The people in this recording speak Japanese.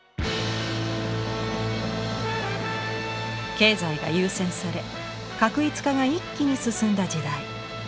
経済が優先され画一化が一気に進んだ時代。